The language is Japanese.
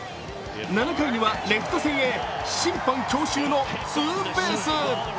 ７回にはレフト線へ審判強襲のツーベース。